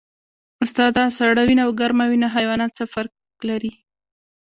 استاده سړه وینه او ګرمه وینه حیوانات څه فرق لري